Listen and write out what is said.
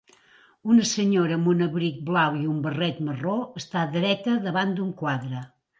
Una senyora amb un abric blau i un barret marró està dreta davant d'un quadre.